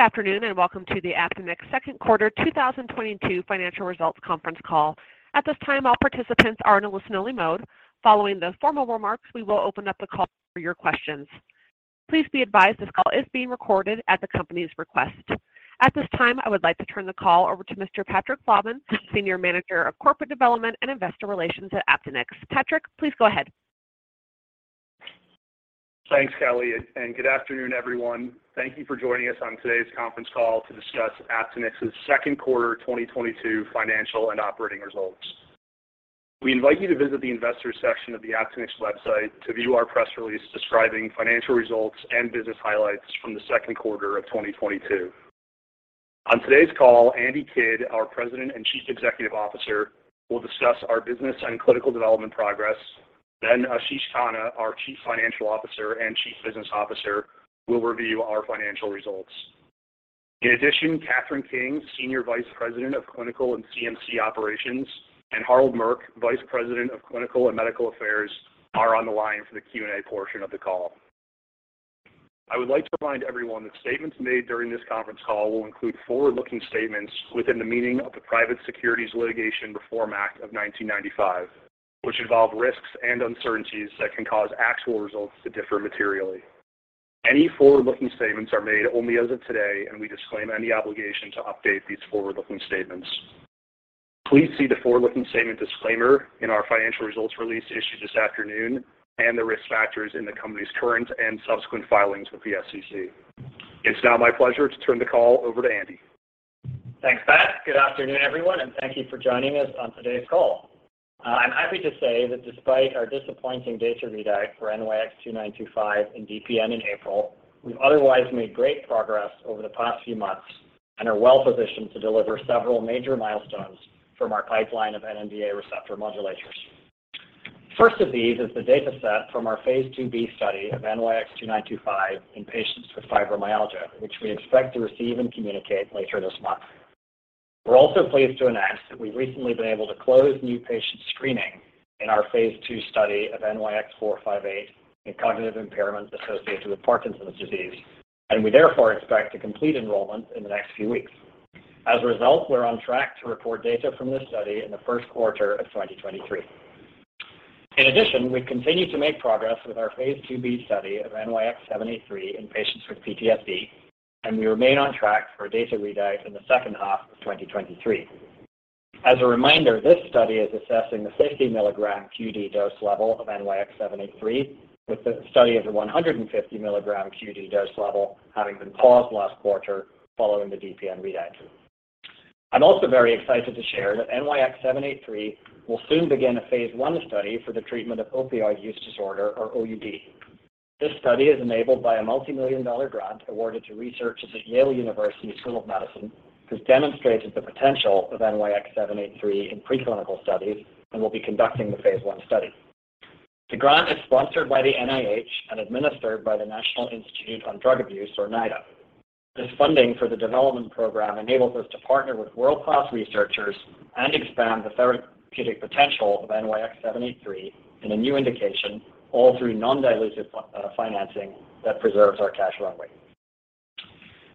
Good afternoon, and welcome to the Aptinyx second quarter 2022 financial results conference call. At this time, all participants are in a listen-only mode. Following the formal remarks, we will open up the call for your questions. Please be advised this call is being recorded at the company's request. At this time, I would like to turn the call over to Mr. Patrick Flavin, Senior Manager of Corporate Development and Investor Relations at Aptinyx. Patrick, please go ahead. Thanks, Kelly, and good afternoon, everyone. Thank you for joining us on today's conference call to discuss Aptinyx's second quarter 2022 financial and operating results. We invite you to visit the investors section of the Aptinyx website to view our press release describing financial results and business highlights from the second quarter of 2022. On today's call, Andy Kidd, our President and Chief Executive Officer, will discuss our business and clinical development progress. Then Ashish Khanna, our Chief Financial Officer and Chief Business Officer, will review our financial results. In addition, Kathryn King, Senior Vice President of Clinical and CMC Operations, and Harald Murck, Vice President of Clinical and Medical Affairs, are on the line for the Q&A portion of the call. I would like to remind everyone that statements made during this conference call will include forward-looking statements within the meaning of the Private Securities Litigation Reform Act of 1995, which involve risks and uncertainties that can cause actual results to differ materially. Any forward-looking statements are made only as of today, and we disclaim any obligation to update these forward-looking statements. Please see the forward-looking statement disclaimer in our financial results release issued this afternoon and the risk factors in the company's current and subsequent filings with the SEC. It's now my pleasure to turn the call over to Andy. Thanks, Pat. Good afternoon, everyone, and thank you for joining us on today's call. I'm happy to say that despite our disappointing data readout for NYX-2925 in DPN in April, we've otherwise made great progress over the past few months and are well-positioned to deliver several major milestones from our pipeline of NMDA receptor modulators. First of these is the dataset from our phase II-B study of NYX-2925 in patients with fibromyalgia, which we expect to receive and communicate later this month. We're also pleased to announce that we've recently been able to close new patient screening in our phase II study of NYX-458 in cognitive impairment associated with Parkinson's disease, and we therefore expect to complete enrollment in the next few weeks. As a result, we're on track to report data from this study in the first quarter of 2023. In addition, we've continued to make progress with our phase II-B study of NYX-783 in patients with PTSD, and we remain on track for data readout in the second half of 2023. As a reminder, this study is assessing the 50 mg QD dose level of NYX-783, with the study of the 150 mgQD dose level having been paused last quarter following the DPN readout. I'm also very excited to share that NYX-783 will soon begin a phase I study for the treatment of opioid use disorder or OUD. This study is enabled by a multimillion-dollar grant awarded to researchers at Yale University School of Medicine, who's demonstrated the potential of NYX-783 in preclinical studies and will be conducting the phase one study. The grant is sponsored by the NIH and administered by the National Institute on Drug Abuse or NIDA. This funding for the development program enables us to partner with world-class researchers and expand the therapeutic potential of NYX-783 in a new indication, all through non-dilutive financing that preserves our cash runway.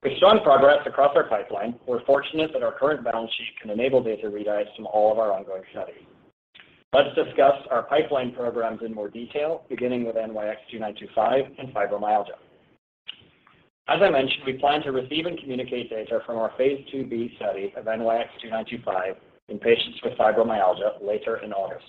With strong progress across our pipeline, we're fortunate that our current balance sheet can enable data readouts from all of our ongoing studies. Let's discuss our pipeline programs in more detail, beginning with NYX-2925 and fibromyalgia. As I mentioned, we plan to receive and communicate data from our phase II-B study of NYX-2925 in patients with fibromyalgia later in August.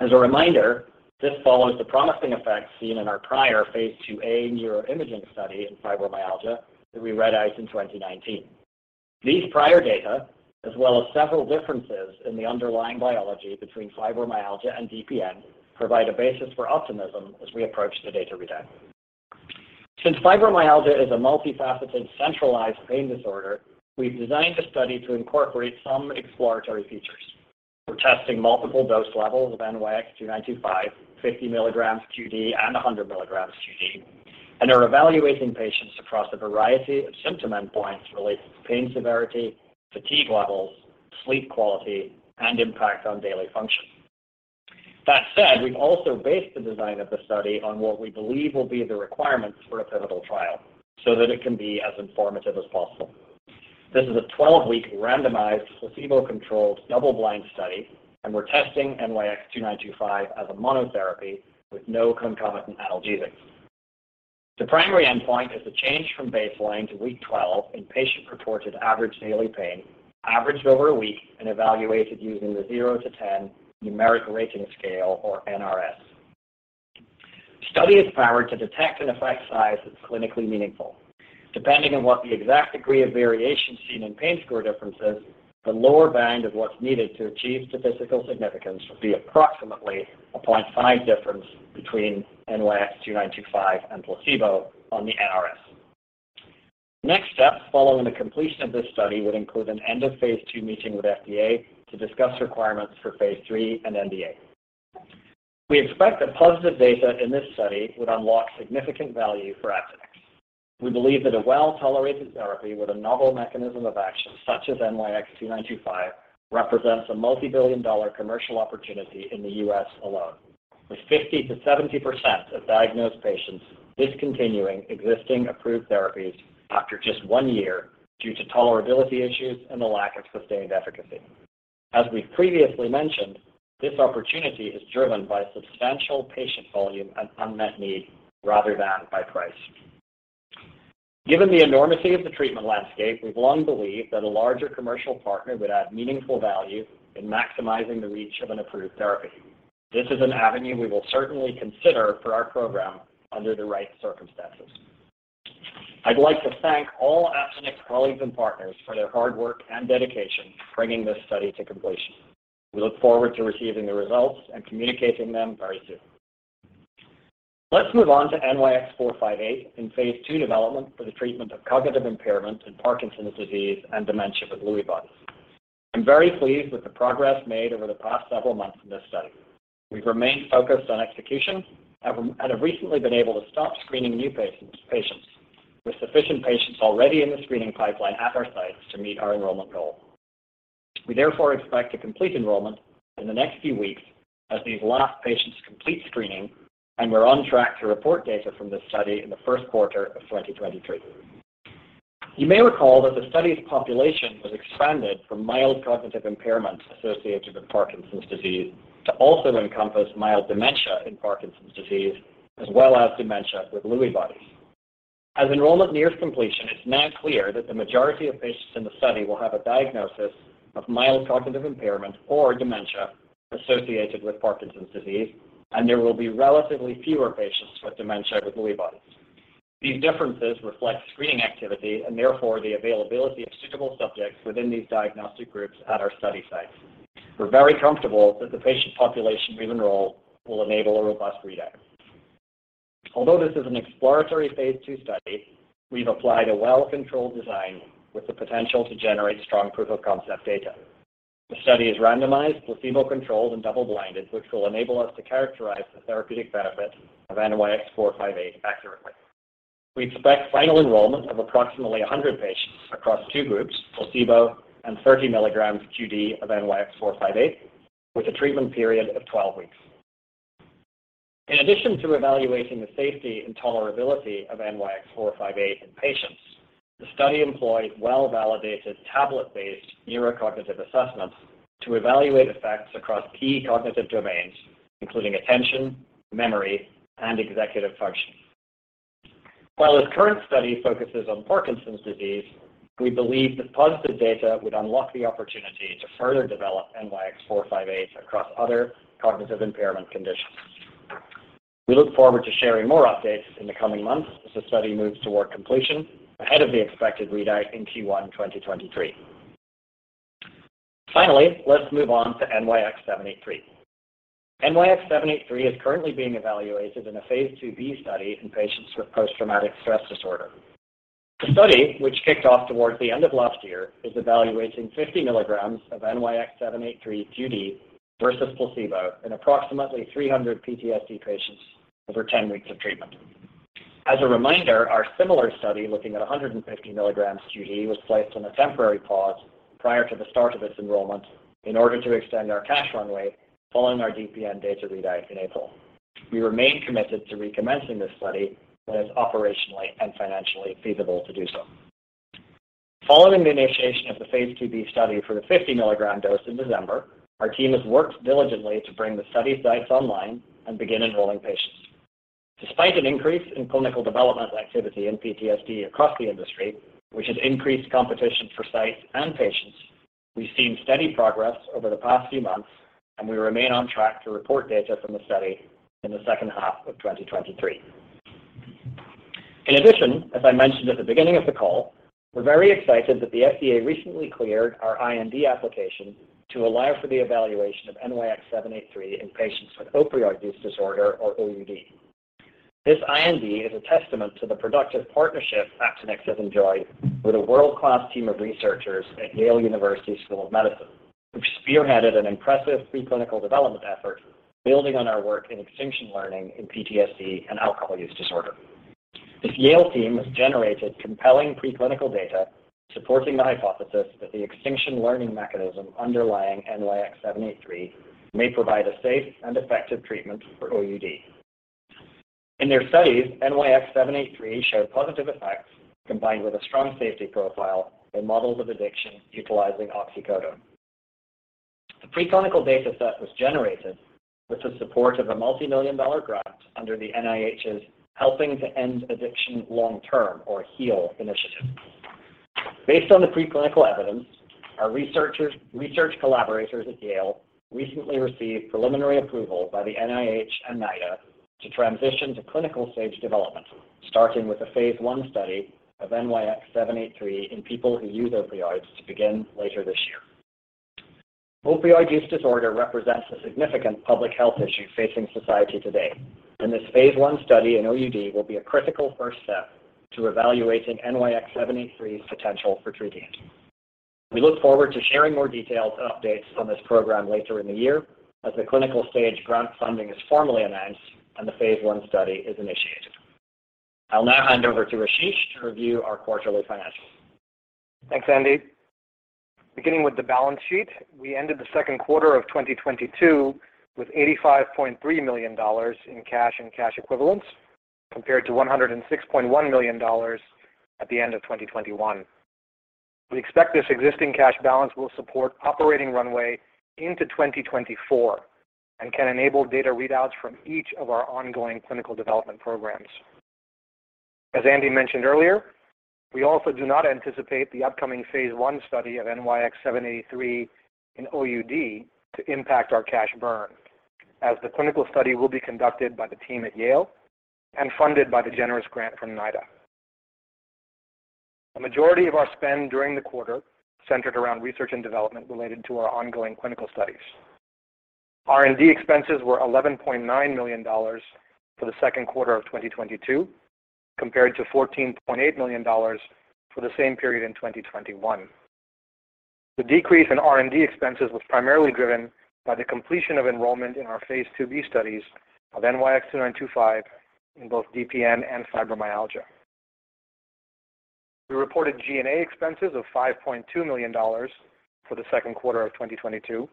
As a reminder, this follows the promising effects seen in our prior phase IIa neuroimaging study in fibromyalgia that we read out in 2019. These prior data, as well as several differences in the underlying biology between fibromyalgia and DPN, provide a basis for optimism as we approach the data readout. Since fibromyalgia is a multifaceted centralized pain disorder, we've designed the study to incorporate some exploratory features. We're testing multiple dose levels of NYX-2925, 50 mg QD, and 100 mg QD, and are evaluating patients across a variety of symptom endpoints related to pain severity, fatigue levels, sleep quality, and impact on daily function. That said, we've also based the design of the study on what we believe will be the requirements for a pivotal trial so that it can be as informative as possible. This is a 12-week randomized placebo-controlled double-blind study, and we're testing NYX-2925 as a monotherapy with no concomitant analgesic. The primary endpoint is the change from baseline to week 12 in patient-reported average daily pain, averaged over a week and evaluated using the 0-10 numeric rating scale or NRS. The study is powered to detect an effect size that's clinically meaningful. Depending on what the exact degree of variation seen in pain score differences, the lower bound of what's needed to achieve statistical significance would be approximately a 0.5 difference between NYX-2925 and placebo on the NRS. The next step following the completion of this study would include an end-of-phase II meeting with FDA to discuss requirements for phase III and NDA. We expect that positive data in this study would unlock significant value for Aptinyx. We believe that a well-tolerated therapy with a novel mechanism of action such as NYX-2925 represents a multibillion-dollar commercial opportunity in the U.S. alone. With 50%-70% of diagnosed patients discontinuing existing approved therapies after just one year due to tolerability issues and the lack of sustained efficacy. As we've previously mentioned, this opportunity is driven by substantial patient volume and unmet need rather than by price. Given the enormity of the treatment landscape, we've long believed that a larger commercial partner would add meaningful value in maximizing the reach of an approved therapy. This is an avenue we will certainly consider for our program under the right circumstances. I'd like to thank all Aptinyx colleagues and partners for their hard work and dedication bringing this study to completion. We look forward to receiving the results and communicating them very soon. Let's move on to NYX-458 in phase II development for the treatment of cognitive impairment in Parkinson's disease and dementia with Lewy bodies. I'm very pleased with the progress made over the past several months in this study. We've remained focused on execution and have recently been able to stop screening new patients, with sufficient patients already in the screening pipeline at our sites to meet our enrollment goal. We therefore expect to complete enrollment in the next few weeks as these last patients complete screening, and we're on track to report data from this study in the first quarter of 2023. You may recall that the study's population was expanded from mild cognitive impairment associated with Parkinson's disease to also encompass mild dementia in Parkinson's disease as well as dementia with Lewy bodies. As enrollment nears completion, it's now clear that the majority of patients in the study will have a diagnosis of mild cognitive impairment or dementia associated with Parkinson's disease, and there will be relatively fewer patients with dementia with Lewy bodies. These differences reflect screening activity and therefore the availability of suitable subjects within these diagnostic groups at our study sites. We're very comfortable that the patient population we've enrolled will enable a robust readout. Although this is an exploratory phase II study, we've applied a well-controlled design with the potential to generate strong proof of concept data. The study is randomized, placebo-controlled, and double-blinded, which will enable us to characterize the therapeutic benefit of NYX-458 accurately. We expect final enrollment of approximately 100 patients across two groups, placebo and 30 mg QD of NYX-458, with a treatment period of 12 weeks. In addition to evaluating the safety and tolerability of NYX-458 in patients, the study employs well-validated tablet-based neurocognitive assessments to evaluate effects across key cognitive domains, including attention, memory, and executive function. While this current study focuses on Parkinson's disease, we believe that positive data would unlock the opportunity to further develop NYX-458 across other cognitive impairment conditions. We look forward to sharing more updates in the coming months as the study moves toward completion ahead of the expected readout in Q1 2023. Finally, let's move on to NYX-783. NYX-783 is currently being evaluated in a phase II-B study in patients with post-traumatic stress disorder. The study, which kicked off towards the end of last year, is evaluating 50 mg of NYX-783 QD versus placebo in approximately 300 PTSD patients over 10 weeks of treatment. As a reminder, our similar study looking at 150 mg QD was placed on a temporary pause prior to the start of its enrollment in order to extend our cash runway following our DPN data readout in April. We remain committed to recommencing this study when it's operationally and financially feasible to do so. Following the initiation of the phase II-B study for the 50 mg dose in December, our team has worked diligently to bring the study sites online and begin enrolling patients. Despite an increase in clinical development activity in PTSD across the industry, which has increased competition for sites and patients, we've seen steady progress over the past few months, and we remain on track to report data from the study in the second half of 2023. In addition, as I mentioned at the beginning of the call, we're very excited that the FDA recently cleared our IND application to allow for the evaluation of NYX-783 in patients with opioid use disorder or OUD. This IND is a testament to the productive partnership Aptinyx has enjoyed with a world-class team of researchers at Yale University School of Medicine, which spearheaded an impressive preclinical development effort building on our work in extinction learning in PTSD and alcohol use disorder. This Yale team has generated compelling preclinical data supporting the hypothesis that the extinction learning mechanism underlying NYX-783 may provide a safe and effective treatment for OUD. In their studies, NYX-783 showed positive effects combined with a strong safety profile in models of addiction utilizing oxycodone. The preclinical data set was generated with the support of a multi-million dollar grant under the NIH's Helping to End Addiction Long-term, or HEAL, initiative. Based on the preclinical evidence, our research collaborators at Yale recently received preliminary approval by the NIH and NIDA to transition to clinical stage development, starting with a phase I study of NYX-783 in people who use opioids to begin later this year. Opioid use disorder represents a significant public health issue facing society today, and this phase I study in OUD will be a critical first step to evaluating NYX-783's potential for treating it. We look forward to sharing more details and updates on this program later in the year as the clinical stage grant funding is formally announced and the phase I study is initiated. I'll now hand over to Ashish to review our quarterly financials. Thanks, Andy. Beginning with the balance sheet, we ended the second quarter of 2022 with $85.3 million in cash and cash equivalents, compared to $106.1 million at the end of 2021. We expect this existing cash balance will support operating runway into 2024 and can enable data readouts from each of our ongoing clinical development programs. As Andy mentioned earlier, we also do not anticipate the upcoming phase one study of NYX-783 in OUD to impact our cash burn, as the clinical study will be conducted by the team at Yale and funded by the generous grant from NIDA. A majority of our spend during the quarter centered around research and development related to our ongoing clinical studies. R&D expenses were $11.9 million for the second quarter of 2022, compared to $14.8 million for the same period in 2021. The decrease in R&D expenses was primarily driven by the completion of enrollment in our phase II-B studies of NYX-2925 in both DPN and fibromyalgia. We reported G&A expenses of $5.2 million for the second quarter of 2022,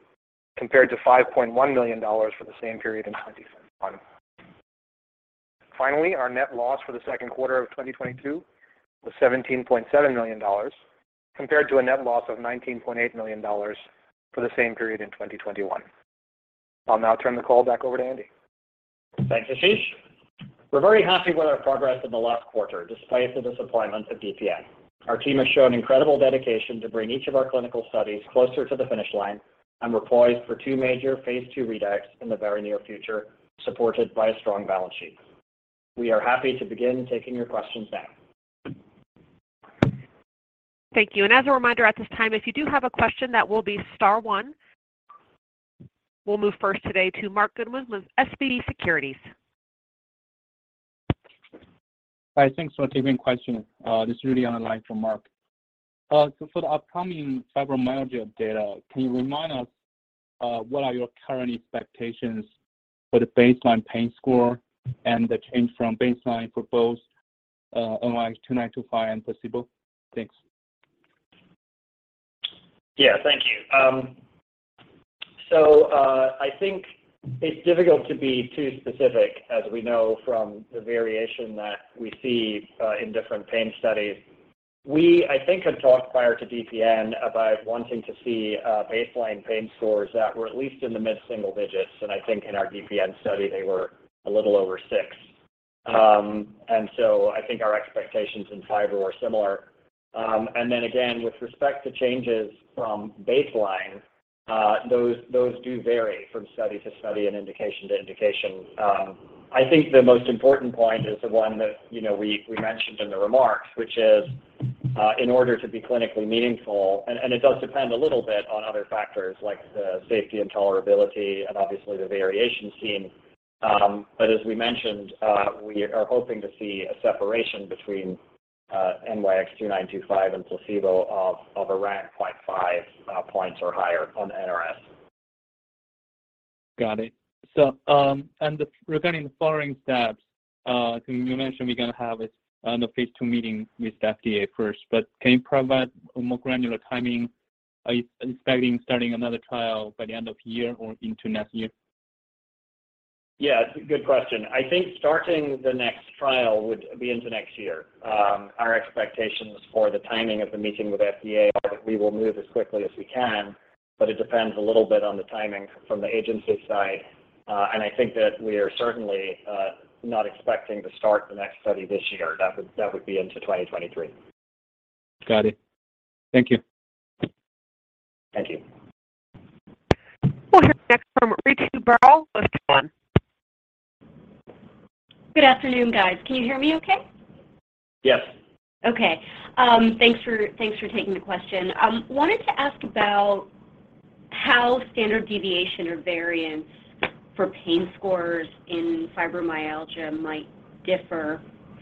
compared to $5.1 million for the same period in 2021. Finally, our net loss for the second quarter of 2022 was $17.7 million, compared to a net loss of $19.8 million for the same period in 2021. I'll now turn the call back over to Andy. Thanks, Ashish. We're very happy with our progress in the last quarter, despite the disappointment of DPN. Our team has shown incredible dedication to bring each of our clinical studies closer to the finish line, and we're poised for two major phase II readouts in the very near future, supported by a strong balance sheet. We are happy to begin taking your questions now. Thank you. As a reminder at this time, if you do have a question, that will be star one. We'll move first today to Marc Goodman with SVB Securities. Hi. Thanks for taking the question. This is Rudy on the line from Marc. For the upcoming fibromyalgia data, can you remind us what your current expectations are for the baseline pain score and the change from baseline for both NYX-2925 and placebo? Thanks. Yeah. Thank you. I think it's difficult to be too specific as we know from the variation that we see in different pain studies. I think we had talked prior to DPN about wanting to see baseline pain scores that were at least in the mid-single digits, and I think in our DPN study they were a little over six. I think our expectations in fibro are similar. Again, with respect to changes from baseline, those do vary from study to study and indication to indication. I think the most important point is the one that you know we mentioned in the remarks, which is in order to be clinically meaningful, and it does depend a little bit on other factors like the safety and tolerability and obviously the variation seen. As we mentioned, we are hoping to see a separation between NYX-2925 and placebo of around 0.5 points or higher on the NRS. Got it. Regarding the following steps, you mentioned we're gonna have a phase II meeting with the FDA first, but can you provide a more granular timing? Are you expecting starting another trial by the end of year or into next year? Yeah. Good question. I think starting the next trial would be into next year. Our expectations for the timing of the meeting with FDA are that we will move as quickly as we can, but it depends a little bit on the timing from the agency side. I think that we are certainly not expecting to start the next study this year. That would be into 2023. Got it. Thank you. Thank you. We'll hear next from Ritu Baral with Cowen. Good afternoon, guys. Can you hear me okay? Yes. Okay. Thanks for taking the question. Wanted to ask about how standard deviation or variance for pain scores in fibromyalgia might differ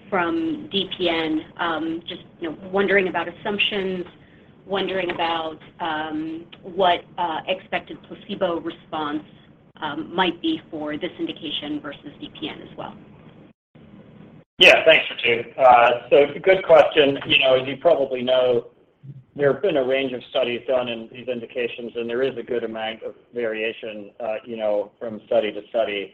from DPN. Just, you know, wondering about assumptions, wondering about what expected placebo response might be for this indication versus DPN as well. Yeah. Thanks, Ritu. Good question. You know, as you probably know, there have been a range of studies done in these indications, and there is a good amount of variation, you know, from study to study.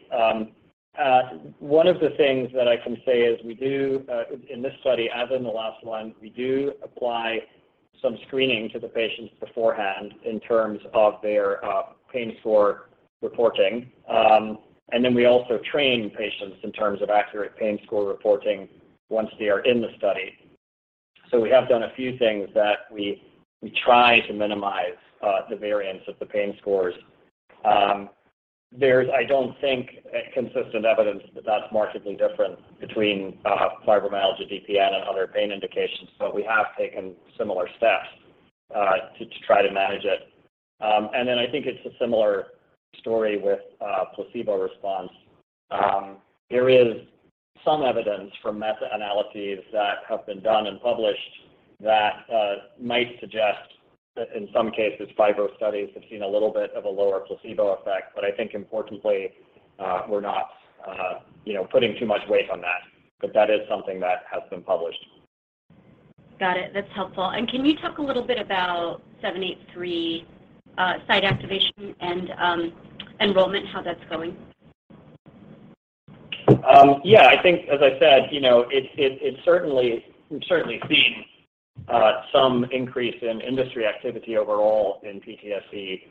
One of the things that I can say is we do in this study as in the last one, we do apply some screening to the patients beforehand in terms of their pain score reporting. We also train patients in terms of accurate pain score reporting once they are in the study. We have done a few things that we try to minimize the variance of the pain scores. There's, I don't think, consistent evidence that that's markedly different between fibromyalgia, DPN and other pain indications, but we have taken similar steps to try to manage it. I think it's a similar story with placebo response. There is some evidence from meta-analyses that have been done and published that might suggest in some cases, fibro studies have seen a little bit of a lower placebo effect, but I think importantly, we're not you know, putting too much weight on that. That is something that has been published. Got it. That's helpful. Can you talk a little bit about NYX-783, site activation and enrollment, how that's going? Yeah, I think as I said, you know, it certainly we've certainly seen some increase in industry activity overall in PTSD.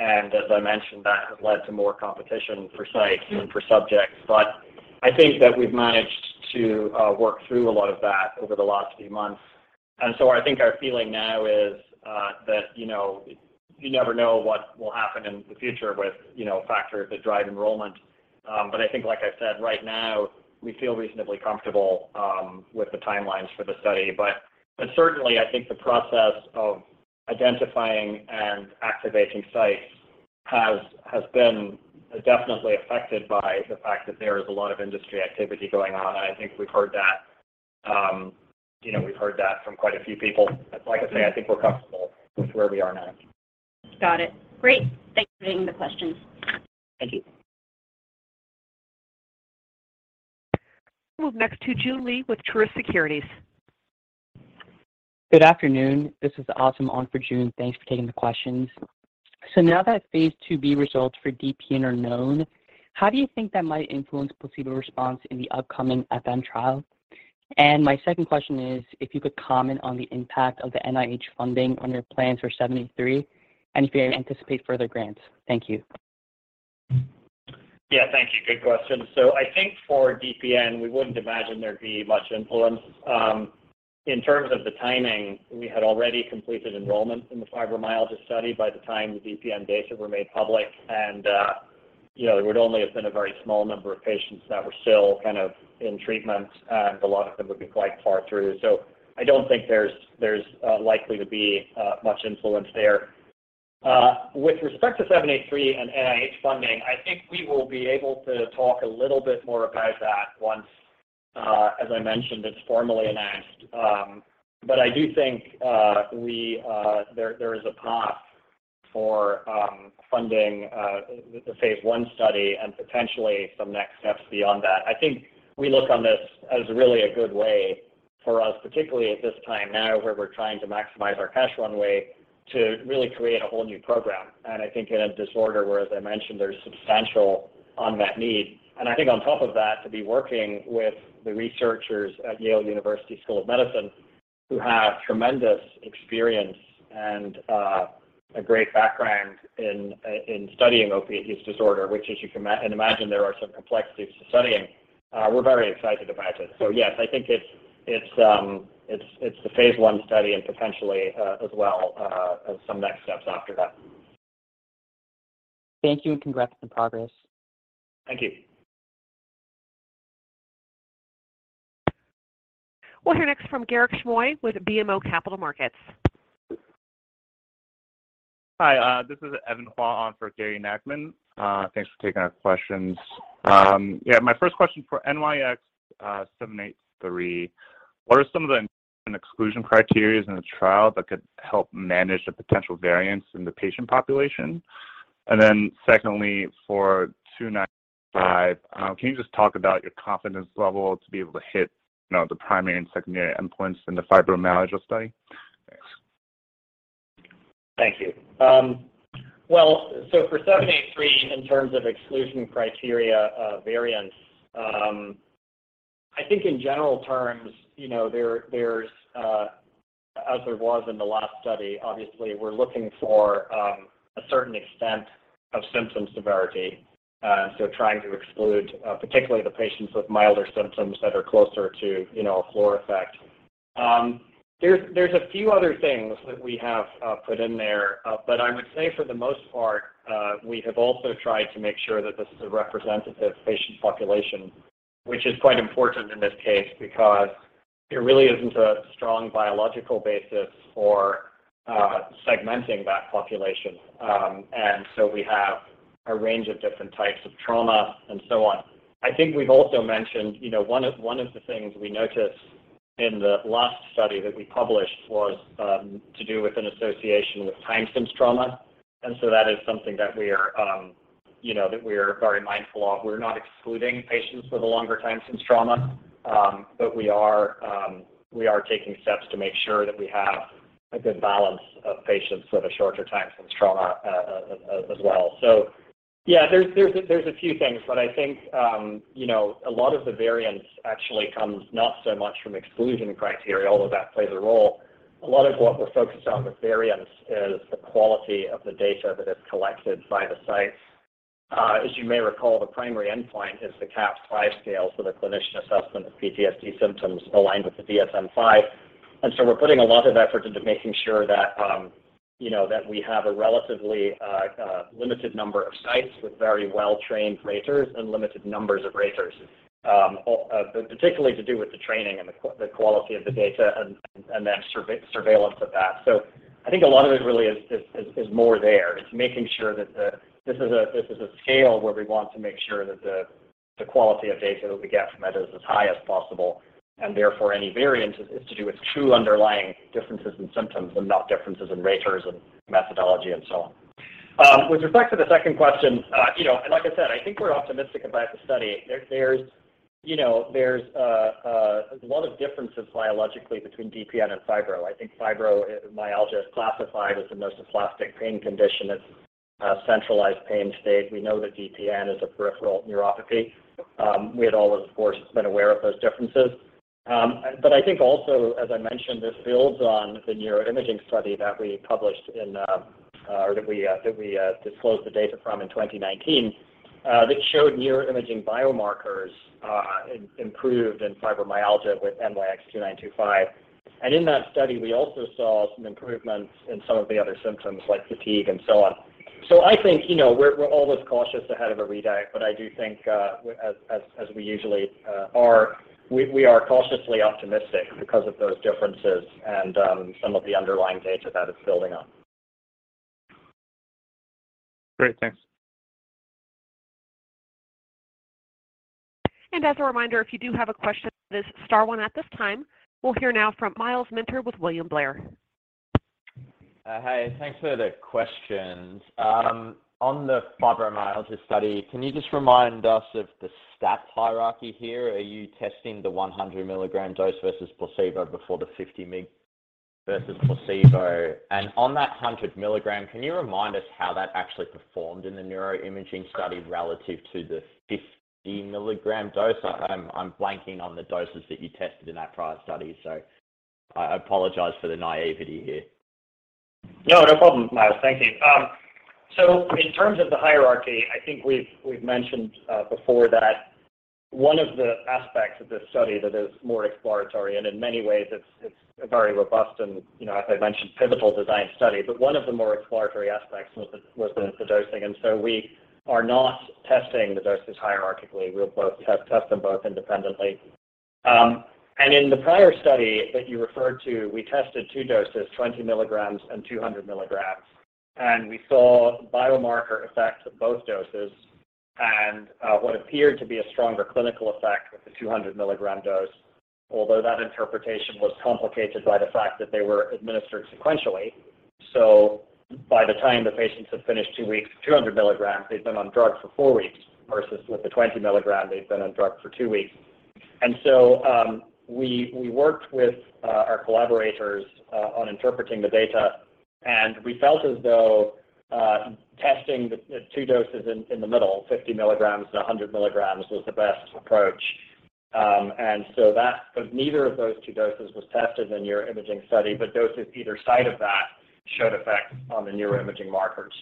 As I mentioned, that has led to more competition for sites and for subjects. I think that we've managed to work through a lot of that over the last few months. I think our feeling now is that, you know, you never know what will happen in the future with, you know, factors that drive enrollment. I think, like I said, right now, we feel reasonably comfortable with the timelines for the study. Certainly I think the process of identifying and activating sites has been definitely affected by the fact that there is a lot of industry activity going on. I think we've heard that, you know, we've heard that from quite a few people. Like I say, I think we're comfortable with where we are now. Got it. Great. Thanks for taking the questions. Thank you. We'll move next to Joon Lee with Truist Securities. Good afternoon. This is Asim on for Joon. Thanks for taking the questions. Now that phase II-B results for DPN are known, how do you think that might influence placebo response in the upcoming FM trial? And my second question is if you could comment on the impact of the NIH funding on your plans for 73, and if you anticipate further grants. Thank you. Yeah, thank you. Good question. I think for DPN, we wouldn't imagine there'd be much influence. In terms of the timing, we had already completed enrollment in the fibromyalgia study by the time the DPN data were made public. You know, there would only have been a very small number of patients that were still kind of in treatment, and a lot of them would be quite far through. I don't think there's likely to be much influence there. With respect to NYX-783 and NIH funding, I think we will be able to talk a little bit more about that once, as I mentioned, it's formally announced. But I do think there is a path for funding the phase one study and potentially some next steps beyond that. I think we look on this as really a good way for us, particularly at this time now where we're trying to maximize our cash runway to really create a whole new program. I think in a disorder where, as I mentioned, there's substantial unmet need. I think on top of that, to be working with the researchers at Yale University School of Medicine who have tremendous experience and a great background in studying opioid use disorder, which as you can imagine, there are some complexities to studying. We're very excited about it. Yes, I think it's the phase one study and potentially, as well, some next steps after that. Thank you, and congrats on the progress. Thank you. We'll hear next from Gary Nachman with BMO Capital Markets. Hi, this is Evan Hsueh on for Gary Nachman. Thanks for taking our questions. My first question for NYX-783, what are some of the inclusion and exclusion criteria in the trial that could help manage the potential variance in the patient population? Then secondly, for NYX-2925, can you just talk about your confidence level to be able to hit, you know, the primary and secondary endpoints in the fibromyalgia study? Thanks. Thank you. Well, for NYX-783, in terms of exclusion criteria, various, I think in general terms, you know, there's as there was in the last study, obviously, we're looking for a certain extent of symptom severity, so trying to exclude particularly the patients with milder symptoms that are closer to, you know, a floor effect. There's a few other things that we have put in there. I would say for the most part, we have also tried to make sure that this is a representative patient population, which is quite important in this case because there really isn't a strong biological basis for segmenting that population. We have a range of different types of trauma and so on. I think we've also mentioned, you know, one of the things we noticed in the last study that we published was to do with an association with time since trauma. That is something that we are, you know, that we are very mindful of. We're not excluding patients with a longer time since trauma, but we are taking steps to make sure that we have a good balance of patients with a shorter time since trauma, as well. Yeah, there's a few things, but I think, you know, a lot of the variance actually comes not so much from exclusion criteria, although that plays a role. A lot of what we're focused on with variance is the quality of the data that is collected by the sites. As you may recall, the primary endpoint is the CAPS-5 scale, so the clinician assessment of PTSD symptoms aligned with the DSM-5. We're putting a lot of effort into making sure that, you know, that we have a relatively limited number of sites with very well-trained raters and limited numbers of raters, particularly to do with the training and the quality of the data and then surveillance of that. I think a lot of it really is more there. It's making sure that this is a scale where we want to make sure that the quality of data that we get from that is as high as possible, and therefore any variance is to do with true underlying differences in symptoms and not differences in raters and methodology and so on. With respect to the second question, you know, and like I said, I think we're optimistic about the study. There's, you know, a lot of differences biologically between DPN and fibro. I think fibromyalgia is classified as a nociplastic pain condition. It's a centralized pain state. We know that DPN is a peripheral neuropathy. We had always, of course, been aware of those differences. I think also, as I mentioned, this builds on the neuroimaging study that we published in, or that we disclosed the data from in 2019. That showed neuroimaging biomarkers improved in fibromyalgia with NYX-2925. In that study, we also saw some improvements in some of the other symptoms like fatigue and so on. I think, you know, we're always cautious ahead of a readout, but I do think, as we usually are, we are cautiously optimistic because of those differences and some of the underlying data that it's building on. Great. Thanks. As a reminder, if you do have a question just star one at this time. We'll hear now from Myles Minter with William Blair. Hi. Thanks for the questions. On the fibromyalgia study, can you just remind us of the stats hierarchy here? Are you testing the 100 mg dose versus placebo before the 50 mg versus placebo? On that 100 mg, can you remind us how that actually performed in the neuroimaging study relative to the 50 mg dose? I'm blanking on the doses that you tested in that prior study, so I apologize for the naivety here. No, no problem, Myles. Thank you. In terms of the hierarchy, I think we've mentioned before that one of the aspects of this study that is more exploratory, and in many ways it's a very robust and, you know, as I mentioned, pivotal design study. One of the more exploratory aspects was the dosing and we are not testing the doses hierarchically. We'll both test them both independently. In the prior study that you referred to, we tested two doses, 20 mg and 200 mg, and we saw biomarker effect of both doses and what appeared to be a stronger clinical effect with the 200 mg dose. Although that interpretation was complicated by the fact that they were administered sequentially. By the time the patients have finished two weeks of 200 mg, they've been on drug for four weeks versus with the 20 mg, they've been on drug for two weeks. We worked with our collaborators on interpreting the data, and we felt as though testing the two doses in the middle, 50 mg and 100 mg, was the best approach. Neither of those two doses was tested in your imaging study, but doses either side of that showed effect on the neuroimaging markers.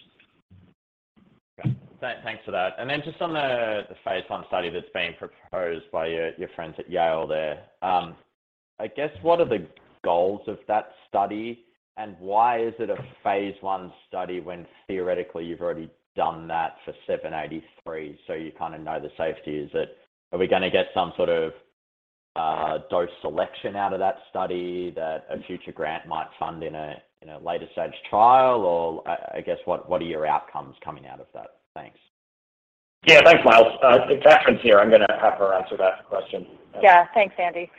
Thanks for that. Then just on the phase I study that's being proposed by your friends at Yale there. I guess what are the goals of that study, and why is it a phase I study when theoretically you've already done that for NYX-783, so you kind of know the safety? Are we gonna get some sort of dose selection out of that study that a future grant might fund in a later stage trial? Or I guess what are your outcomes coming out of that? Thanks. Yeah. Thanks, Myles. It's Kathryn here. I'm gonna have her answer that question. Yeah. Thanks, Andy.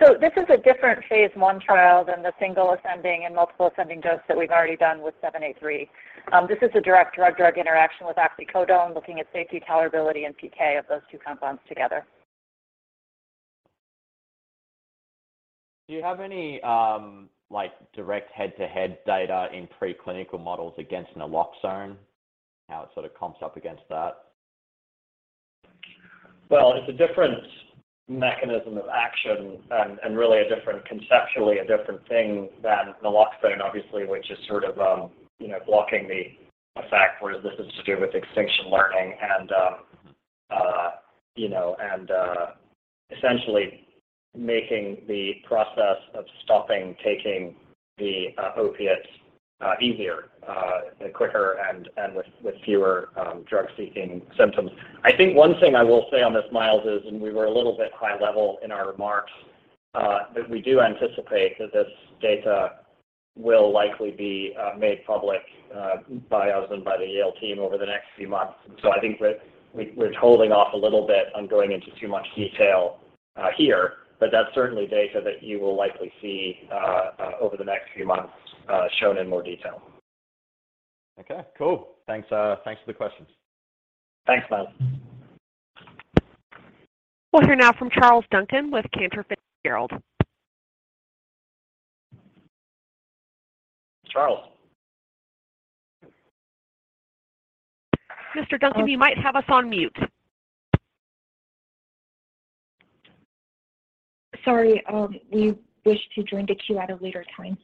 This is a different phase I trial than the single ascending and multiple ascending dose that we've already done with NYX-783. This is a direct drug-drug interaction with oxycodone, looking at safety, tolerability, and PK of those two compounds together. Do you have any, like direct head-to-head data in preclinical models against naloxone, how it sort of comps up against that? Well, it's a different mechanism of action and really a conceptually different thing than naloxone, obviously, which is sort of, you know, blocking the effect, whereas this is to do with extinction learning and, you know, and essentially making the process of stopping taking the opiates easier and quicker and with fewer drug-seeking symptoms. I think one thing I will say on this, Miles, is we were a little bit high level in our remarks that we do anticipate that this data will likely be made public by us and by the Yale team over the next few months. I think we're holding off a little bit on going into too much detail here. That's certainly data that you will likely see over the next few months shown in more detail. Okay. Cool. Thanks, thanks for the questions. Thanks, Myles. We'll hear now from Charles Duncan with Cantor Fitzgerald. Charles. Mr. Duncan, you might have us on mute. Sorry. We wish to join the queue at a later time.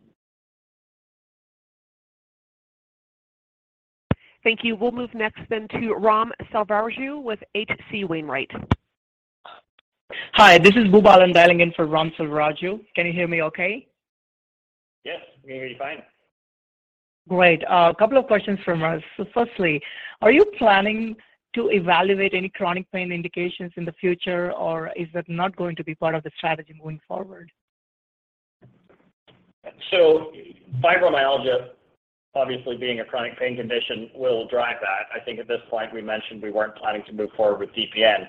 Thank you. We'll move next then to Ram Selvaraju with H.C. Wainwright. Hi. This is Bhupender, I'm dialing in for Ram Selvaraju. Can you hear me okay? Yes, we can hear you fine. Great. A couple of questions from us. Firstly, are you planning to evaluate any chronic pain indications in the future, or is that not going to be part of the strategy moving forward? Fibromyalgia obviously being a chronic pain condition will drive that. I think at this point, we mentioned we weren't planning to move forward with DPN.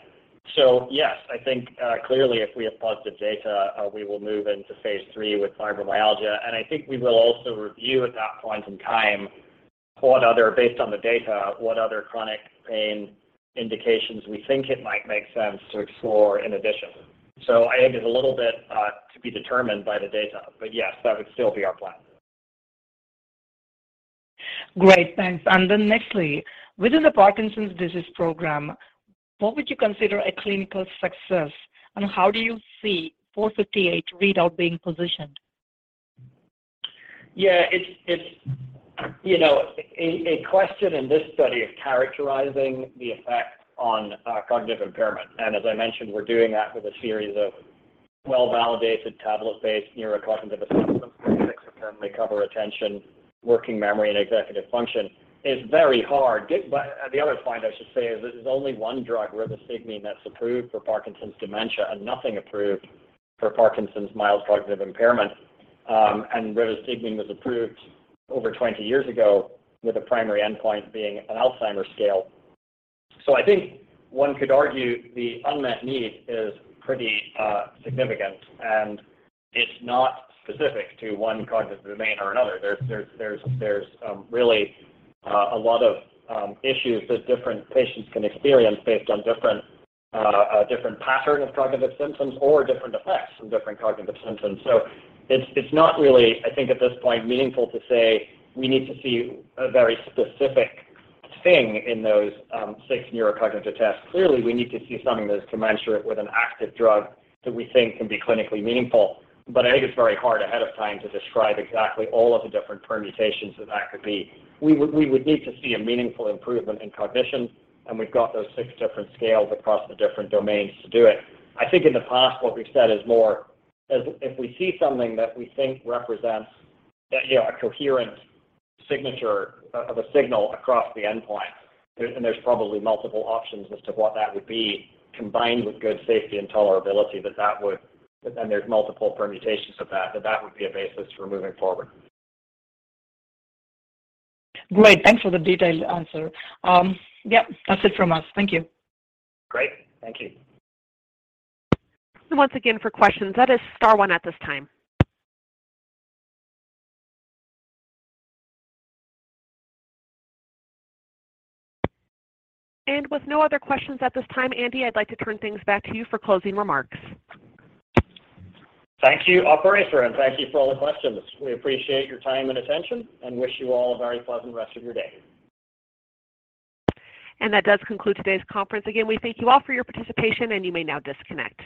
Yes, I think clearly, if we have positive data, we will move into phase III with fibromyalgia. I think we will also review at that point in time, based on the data, what other chronic pain indications we think it might make sense to explore in addition. I think it's a little bit to be determined by the data. Yes, that would still be our plan. Great. Thanks. Nextly, within the Parkinson's disease program, what would you consider a clinical success? How do you see NYX-458 readout being positioned? Yeah. It's you know, a question in this study of characterizing the effect on cognitive impairment. As I mentioned, we're doing that with a series of well-validated tablet-based neurocognitive assessments. Six of them, they cover attention, working memory, and executive function. It's very hard. The other point I should say is there's only one drug, rivastigmine, that's approved for Parkinson's dementia, and nothing approved for Parkinson's mild cognitive impairment. Rivastigmine was approved over 20 years ago with the primary endpoint being an Alzheimer's scale. I think one could argue the unmet need is pretty significant, and it's not specific to one cognitive domain or another. There's really a lot of issues that different patients can experience based on a different pattern of cognitive symptoms or different effects from different cognitive symptoms. It's not really, I think at this point, meaningful to say we need to see a very specific thing in those six neurocognitive tests. Clearly, we need to see something that is commensurate with an active drug that we think can be clinically meaningful. I think it's very hard ahead of time to describe exactly all of the different permutations that that could be. We would need to see a meaningful improvement in cognition, and we've got those six different scales across the different domains to do it. I think in the past, what we've said is more as if we see something that we think represents, you know, a coherent signature of a signal across the endpoint. There's probably multiple options as to what that would be, combined with good safety and tolerability, that would be a basis for moving forward. But then there's multiple permutations of that would be a basis for moving forward. Great. Thanks for the detailed answer. Yep, that's it from us. Thank you. Great. Thank you. Once again, for questions, that is star one at this time. With no other questions at this time, Andy, I'd like to turn things back to you for closing remarks. Thank you, operator, and thank you for all the questions. We appreciate your time and attention and wish you all a very pleasant rest of your day. That does conclude today's conference. Again, we thank you all for your participation, and you may now disconnect.